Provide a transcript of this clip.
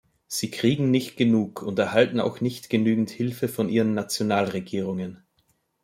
Sie kriegen nicht genug, und erhalten auch nicht genügend Hilfe von ihren Nationalregierungen.